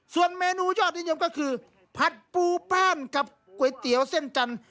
ส่วนเมนูยอดนิยมก็คือผัดปูพ่านกับก๋วยเตี๋ยวเส้นจันทร์